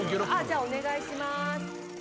じゃあお願いします。